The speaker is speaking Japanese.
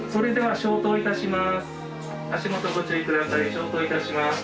消灯いたします。